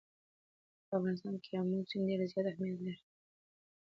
په افغانستان کې آمو سیند ډېر زیات اهمیت لري.